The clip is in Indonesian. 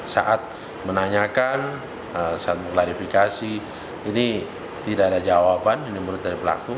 saat menanyakan saat klarifikasi ini tidak ada jawaban ini menurut dari pelaku